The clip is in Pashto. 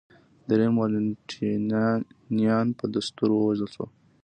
درېیم والنټینیان په دستور ووژل شو